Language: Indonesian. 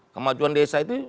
kemajuan desa itu